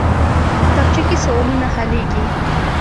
کتابچه کې سوالونه حلېږي